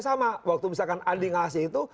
sama waktu misalkan adik ngasih itu